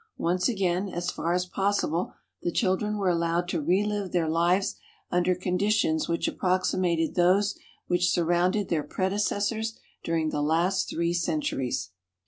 Once again, as far as possible, the children were allowed to relive their lives under conditions which approximated those which surrounded their predecessors during the last three centuries.